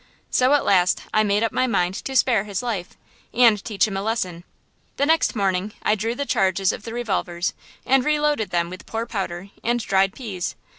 So at last I made up my mind to spare his life, and teach him a lesson. The next morning I drew the charges of the revolvers and reloaded them with poor powder and dried peas!